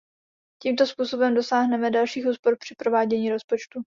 Tímto způsobem dosáhneme dalších úspor při provádění rozpočtu.